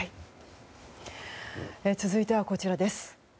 続いてはこちらです。